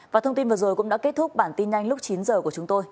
và thông tin vừa rồi cũng đã kết thúc bản tin nhanh lúc chín giờ của chúng tôi